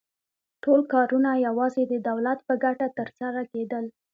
ټول کارونه یوازې د دولت په ګټه ترسره کېدل